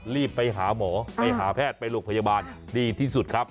รีบไปหาหมอไปหาแพทย์ไปโรงพยาบาลดีที่สุดครับ